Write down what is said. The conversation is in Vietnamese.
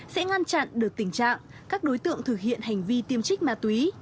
sẽ ngăn chặn được tình trạng các đối tượng thực hiện hành vi tiêm trích ma túy